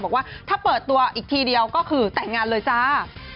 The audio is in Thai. บอกว่าถ้าเปิดตัวอีกทีเดียวก็คือแต่งงานเลยจ้า